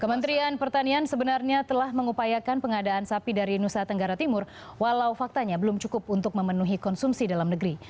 kementerian pertanian sebenarnya telah mengupayakan pengadaan sapi dari nusa tenggara timur walau faktanya belum cukup untuk memenuhi konsumsi dalam negeri